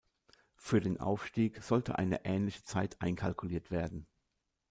Für den Aufstieg sollte eine ähnliche Zeit einkalkuliert werden.